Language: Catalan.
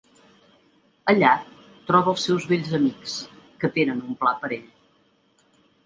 Allà, troba els seus vells amics, que tenen un pla per ell.